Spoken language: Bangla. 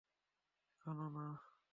এখনও, না।